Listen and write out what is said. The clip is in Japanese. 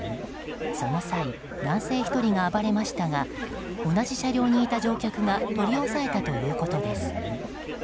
その際、男性１人が暴れましたが同じ車両にいた乗客が取り押さえたということです